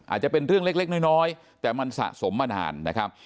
อาจจะเป็นเรื่องเล็กน้อยแต่มันสะสมมานานนะครับ